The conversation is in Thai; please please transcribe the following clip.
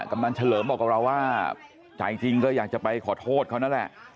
กำนันเฉลิมบอกกับเราว่าใจจริงก็อยากจะไปขอโทษเขานั่นแหละ